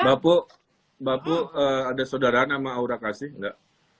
mbak bu mbak bu ada saudara nama aura kasih nggak